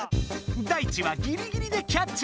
ダイチはギリギリでキャッチ！